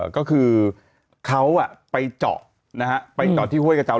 ก็คือเขาไปเจาะนะฮะไปเจาะที่ห้วยกระเจ้า